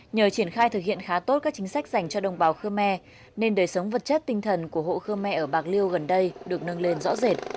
nhờ triển khai thực hiện khá tốt các chính sách dành cho đồng bào khơ me nên đời sống vật chất tinh thần của hộ khơ me ở bạc liêu gần đây được nâng lên rõ rệt